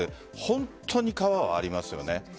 本当に川は、ありますよね。